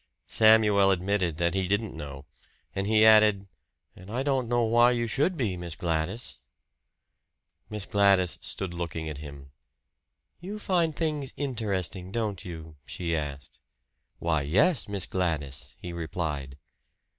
Samuel admitted that he didn't know; and he added, "And I don't know why you should be, Miss Gladys." Miss Gladys stood looking at him. "You find things interesting, don't you?" she asked. "Why, yes, Miss Gladys," he replied.